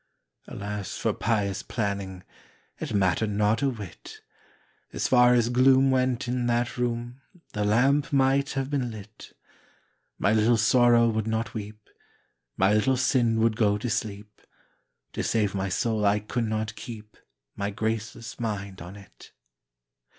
Alas for pious planning— It mattered not a whit! As far as gloom went in that room, The lamp might have been lit! My Little Sorrow would not weep, My Little Sin would go to sleep— To save my soul I could not keep My graceless mind on it!